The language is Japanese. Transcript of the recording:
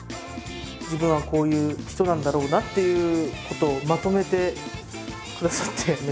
自分はこういう人なんだろうなっていうことをまとめてくださってめちゃくちゃうれしいです。